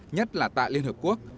nhất là tại liên hợp quốc